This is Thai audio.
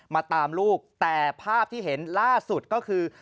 มาตามลูกแต่ภาพที่เห็นล่าสุดก็คือ